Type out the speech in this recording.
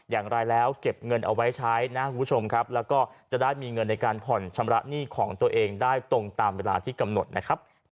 อย่างไรแล้วเก็บเงินเอาไว้ใช้นะคุณผู้ชมครับแล้วก็จะได้มีเงินในการผ่อนชำระหนี้ของตัวเองได้ตรงตามเวลาที่กำหนดนะครับ